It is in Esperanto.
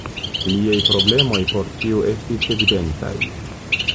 Liaj problemoj por ĉiu estis evidentaj.